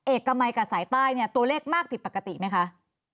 เอกมัยกับสายใต้เนี่ยตัวเลขมากผิดปกติไหมคะ